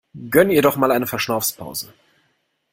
Gönn ihr doch mal eine Verschnaufpause!